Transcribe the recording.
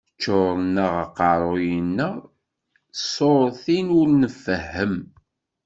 Ččuren-aɣ aqerru-nneɣ s tsurtin ur nfehhem.